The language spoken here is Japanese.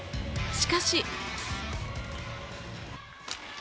しかし。